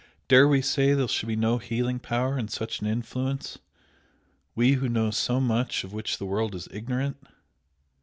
Dare we say there shall be no healing power in such an influence? we who know so much of which the world is ignorant!"